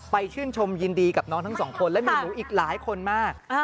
ชื่นชมยินดีกับน้องทั้งสองคนและมีหนูอีกหลายคนมาก